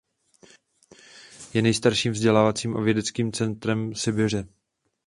Je nejstarším vzdělávacím a vědeckým centrem Sibiře.